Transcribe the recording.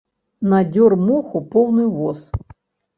Надзёр моху поўны воз.